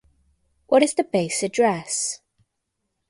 What is the base address?